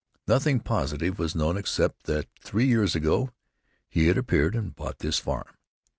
Nothing positive was known except that three years ago he had appeared and bought this farm.